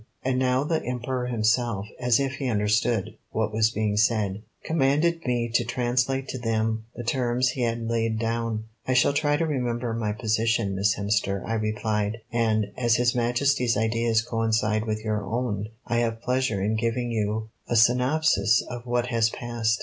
And now the Emperor himself, as if he understood what was being said, commanded me to translate to them the terms he had laid down. "I shall try to remember my position, Miss Hemster," I replied; "and, as his Majesty's ideas coincide with your own, I have pleasure in giving you a synopsis of what has passed."